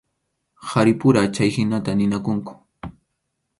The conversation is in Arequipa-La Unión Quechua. Qharipura chayhinata ninakunku.